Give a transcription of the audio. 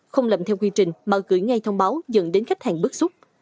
không làm theo quy trình mà gửi ngay thông báo dẫn đến khách hàng bước xuất